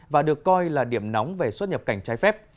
và được coi là điểm nóng về xuất nhập cảnh trái phép